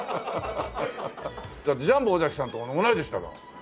だってジャンボ尾崎さんと同い年だから。